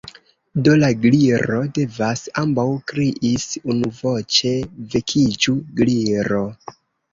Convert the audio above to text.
"Do, la Gliro devas," ambaŭ kriis unuvoĉe. "Vekiĝu, Gliro!"